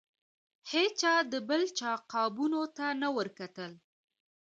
هیچا به د بل چا قابونو ته نه ورکتل.